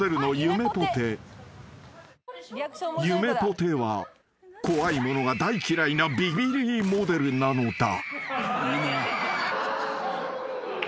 ［ゆめぽては怖い物が大嫌いなビビリモデルなのだ］